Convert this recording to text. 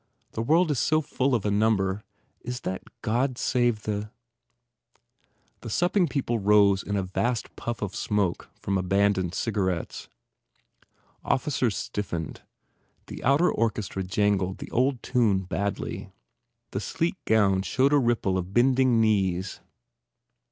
The world is so full of a number Is that God save the " The supping people rose in a vast puff of smoke from abandoned cigarettes. Officers stif 131 THE FAIR REWARDS fened. The outer orchestra jangled the old tune badly. The sleek gowns showed a ripple of bending knees.